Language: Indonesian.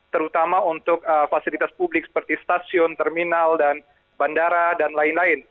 terutama untuk fasilitas publik seperti stasiun terminal dan bandara dan lain lain